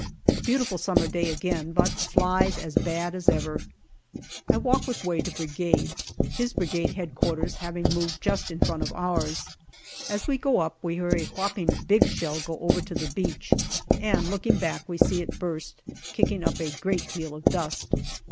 A beautiful summer day again, but flies as bad as ever. I walk with Way to Brigade, his Brigade H.Q. having moved just in front of ours. As we go up we hear a whopping big shell go over to the beach, and looking back, we see it burst, kicking up a great deal of dust.